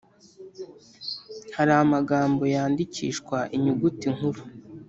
hari amagambo yandikishwa inyuguti nkuru.